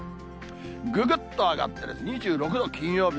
ぐぐっと上がって２６度、金曜日。